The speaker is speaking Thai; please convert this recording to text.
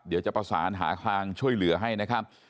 เดี๋ยวจะประสานหาทางช่วยเหลือให้นะครับ